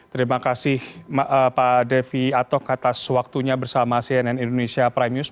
terima kasih pak devi atok atas waktunya bersama cnn indonesia prime news